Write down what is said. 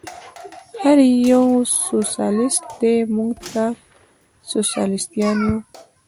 هر یو مو سوسیالیست دی، موږ تل سوسیالیستان و.